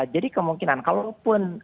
jadi kemungkinan kalaupun